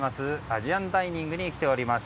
アジアンダイニングに来ています。